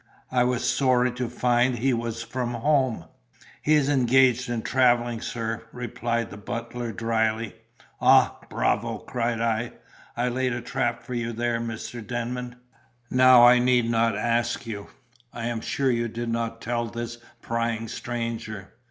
I was sorry to find he was from home." "He is engaged in travelling, sir," replied the butler, dryly. "Ah, bravo!" cried I. "I laid a trap for you there, Mr. Denman. Now I need not ask you; I am sure you did not tell this prying stranger."